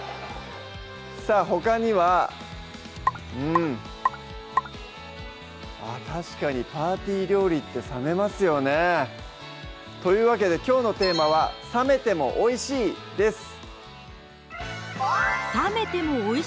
さぁほかにはうん確かにパーティー料理って冷めますよねというわけできょうのテーマは「冷めてもおいしい」です